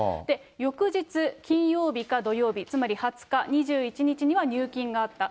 翌日、金曜日か土曜日、つまり２０日、２１日には入金があった。